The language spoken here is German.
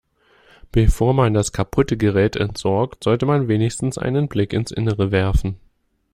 Bevor man das kaputte Gerät entsorgt, sollte man wenigstens einen Blick ins Innere werfen.